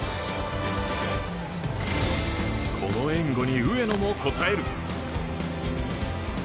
この援護に上野も応える。